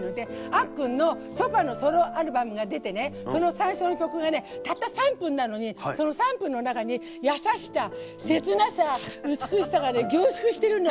あっくんのショパンのソロアルバムが出てその最初の曲がたった３分なのにその３分の中に切なさ、優しさ美しさが凝縮してるの。